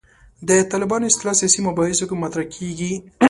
د طالبانو اصطلاح سیاسي مباحثو کې مطرح کېږي.